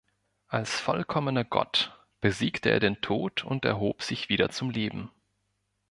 Als vollkommener Gott besiegte er den Tod und erhob sich wieder zum Leben.